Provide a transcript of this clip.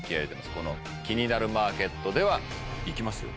この「キニナルマーケット」ではいきますよ